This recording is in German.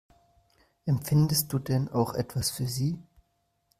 Empfindest du denn auch etwas für sie?